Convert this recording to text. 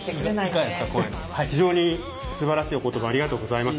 非常にすばらしいお言葉ありがとうございます。